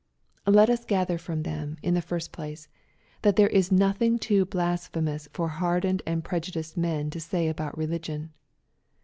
Let us gather from them, in the first place, that there is nothing too hlasphemotisfor hardened and pry'udiced men to say against religion.